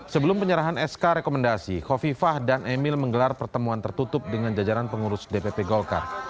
sebelum penyerahan sk rekomendasi kofifah dan emil menggelar pertemuan tertutup dengan jajaran pengurus dpp golkar